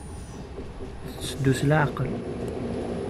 Tetteddu s leɛqel.